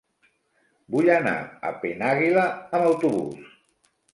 Vull anar a Penàguila amb autobús.